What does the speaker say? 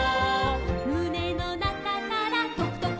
「むねのなかからとくとくとく」